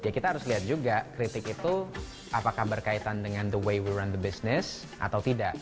kita harus lihat juga kritik itu apakah berkaitan dengan the way wend the business atau tidak